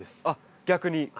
あっ逆に？